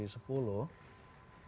penghapusan un ini